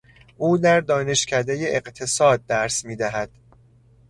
او در دانشکدهٔ اقتصاد درس میدهد.